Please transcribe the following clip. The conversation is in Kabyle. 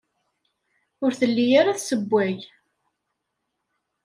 Ur telli ara tessewway.